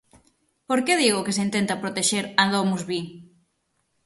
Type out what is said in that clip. ¿Por que digo que se intenta protexer a DomusVi?